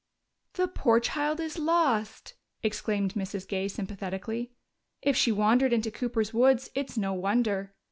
"The poor child is lost!" exclaimed Mrs. Gay sympathetically. "If she wandered into Cooper's woods, it's no wonder."